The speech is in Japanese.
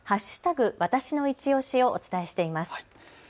わたしのいちオシをお伝えしています。